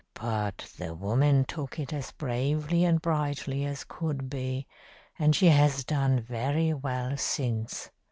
But the woman took it as bravely and brightly as could be, and she has done very well since.